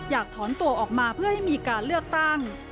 อยากถอนตัวออกมาเพื่อให้มีการเลือกตั้ง